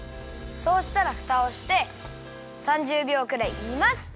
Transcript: そうしたらフタをして３０びょうくらい煮ます。